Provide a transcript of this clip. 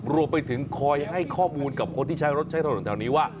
รวมไปถึงคอยให้ข้อมูลกับคนที่ใช้รถใช้ถนนแถวนี้ว่า